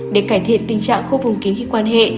để cải thiện tình trạng khô vùng kín khi quan hệ